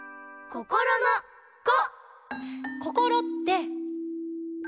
こころの「こ」！